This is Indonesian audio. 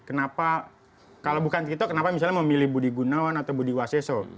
kenapa kalau bukan tito kenapa misalnya memilih budi gunawan atau budi waseso